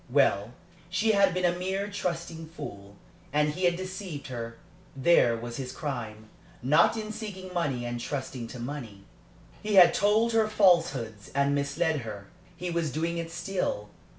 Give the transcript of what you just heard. Well, she had been a mere trusting fool, and he had deceived her. There was his crime not in seeking money and trusting to money. He had told her falsehoods and misled her. He was doing it still.